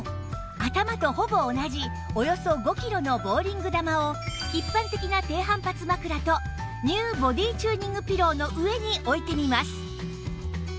頭とほぼ同じおよそ５キロのボウリング球を一般的な低反発枕と ＮＥＷ ボディチューニングピローの上に置いてみます